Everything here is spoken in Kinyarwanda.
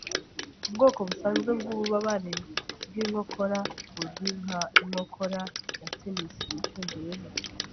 Ubwoko busanzwe bwububabare bwinkokora buzwi nka "inkokora ya tennis" mucyongereza.